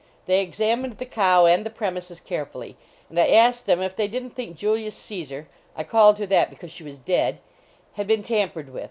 They examined the cow and the premises carefully, and I asked them if they didn t think Julius Caesar I called her that because she was dead had been tampered with.